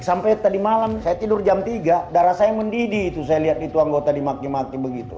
sampai tadi malam saya tidur jam tiga darah saya mendidih itu saya lihat itu anggota dimaki maki begitu